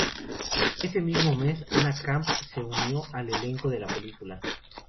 Ese mismo mes, Anna Camp se unió al elenco de la película.